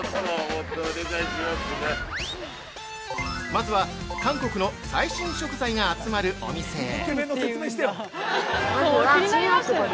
◆まずは韓国の最新食材が集まるお店へ。